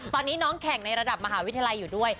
ตอนนี้น้องแข่งในระดับมหาวิทยาลัยอยู่ด้วย